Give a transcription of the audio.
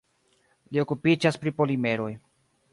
Li okupiĝas pri polimeroj.